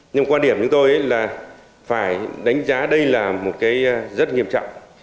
nhưng quan điểm chúng tôi là phải đánh giá đây là một cái rất nghiêm trọng